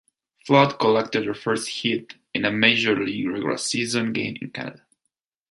Flood collected the first hit in a major league regular season game in Canada.